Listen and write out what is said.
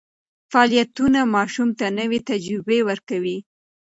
فعالیتونه ماشوم ته نوې تجربې ورکوي.